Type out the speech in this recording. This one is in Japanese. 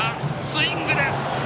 スイングです。